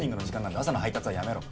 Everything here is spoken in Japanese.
朝の配達はやめろッ！